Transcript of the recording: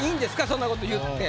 そんなこと言って。